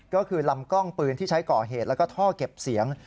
ก็คือลำกล้องปืนที่ใช้ก่อเหตุแล้วก็ท่อเก็บเสียง